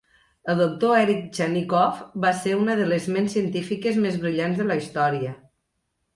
El doctor Eric Chanikov va ser una de les ments científiques més brillants de la història.